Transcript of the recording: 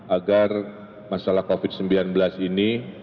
agar masalah covid sembilan belas ini